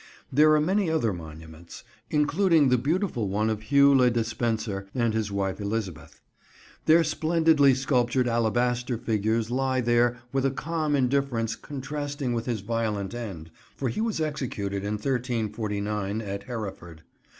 There are many other monuments: including the beautiful one of Hugh le Despencer and his wife Elizabeth. Their splendidly sculptured alabaster figures lie there with a calm indifference contrasting with his violent end, for he was executed in 1349, at Hereford.